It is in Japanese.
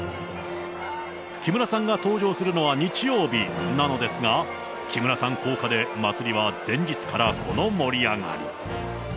木村さんが登場するのは日曜日なのですが、木村さん効果で祭りは前日からこの盛り上がり。